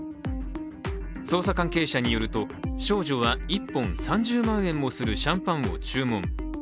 捜査関係者によると少女は１本３０万円もするシャンパンを注文。